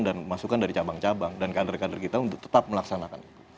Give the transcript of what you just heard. dan masukkan dari cabang cabang dan kader kader kita tetap melaksanakan itu